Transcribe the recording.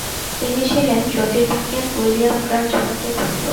তিনি ছিলেন জ্যোতির্বিজ্ঞানী উইলিয়াম ক্র্যাঞ্চ বন্ডের পুত্র।